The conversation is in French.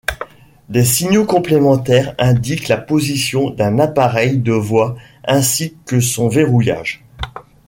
Des signaux complémentaires indiquent la position d'un appareil de voie ainsi que son verrouillage.